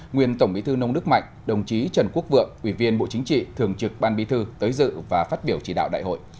nguyên tổng bí thư nông đức mạnh đồng chí trần quốc vượng ủy viên bộ chính trị thường trực ban bí thư tới dự và phát biểu chỉ đạo đại hội